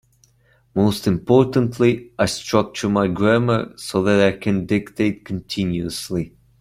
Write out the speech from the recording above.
Most importantly, I structure my grammar so that I can dictate continuously.